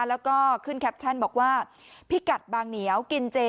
แล้วก็ขึ้นแคปชั่นบอกว่าพิกัดบางเหนียวกินเจ